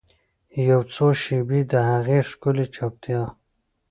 یوڅو شیبې د هغې ښکلې چوپتیا